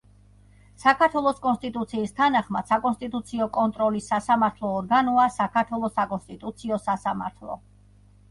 საქართველოს კონსტიტუციის თანახმად საკონსტიტუციო კონტროლის სასამართლო ორგანოა საქართველოს საკონსტიტუციო სასამართლო.